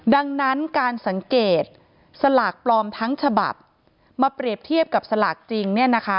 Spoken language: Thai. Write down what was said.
ดังนั้นการสังเกตสลากปลอมทั้งฉบับมาเปรียบเทียบกับสลากจริง